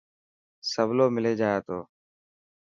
سولو ملي جائي تو.